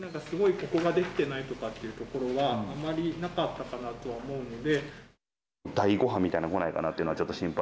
ここができてないというところはあまりなかったかなと思うので。